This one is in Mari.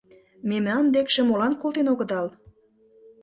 — Мемнан декше молан колтен огыдал?